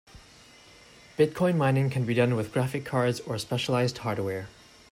Bitcoin mining can be done with graphic cards or with specialized hardware.